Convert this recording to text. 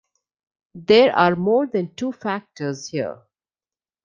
There are more than two factors here.